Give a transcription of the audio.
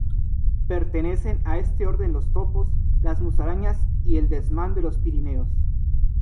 Pertenecen a este orden los topos, las musarañas y el desmán de los Pirineos.